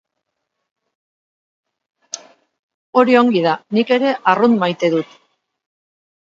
Hori ongi da, nik ere arrunt maite dut.